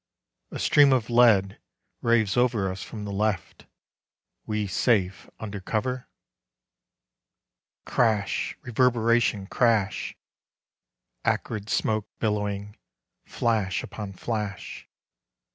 A stream of lead raves Over us from the left ... (we safe under cover!) Crash! Reverberation! Crash! Acrid smoke billowing. Flash upon flash.